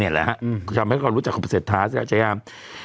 นี่แหละครับทำให้เราก็รู้จักความเศรษฐาซะครับเจ๊ยาม